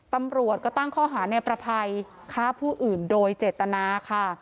ตำรวจก็ตั้งข้อหาในประภัยฆ่าผู้อื่นโดยเจตนาค่ะ